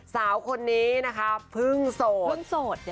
สาวคนนี้นะคะเพิ่งโสด